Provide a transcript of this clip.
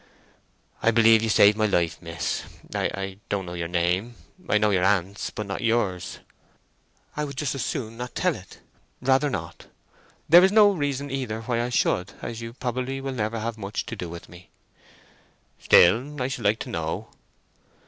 "I believe you saved my life, Miss—I don't know your name. I know your aunt's, but not yours." "I would just as soon not tell it—rather not. There is no reason either why I should, as you probably will never have much to do with me." "Still, I should like to know."